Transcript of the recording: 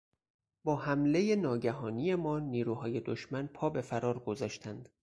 با حملهٔ ناگهانی ما نیروهای دشمن پا بفرار گذاشتند.